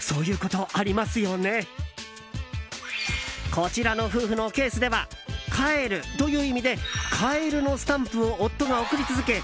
こちらの夫婦のケースでは帰るという意味でカエルのスタンプを夫が送り続け